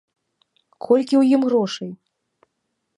Колькі ў ім грошай?